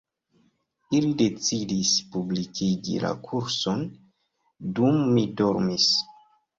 Ili decidis publikigi la kurson dum mi dormis